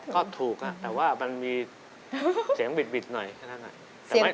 ก็ถูกค่ะแต่ว่ามันมีเสียงบิดหน่อย